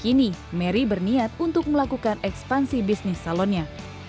kini mary berniat untuk melakukan ekspansi bisnis salonnya